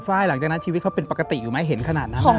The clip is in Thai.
ไฟล์หลังจากนั้นชีวิตเขาเป็นปกติอยู่ไหมเห็นขนาดนั้น